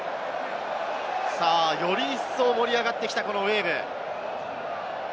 より一層盛り上がってきたウェーブ。